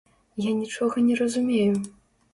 Я нічога не разумею!